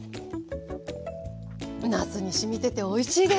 なすにしみてておいしいです。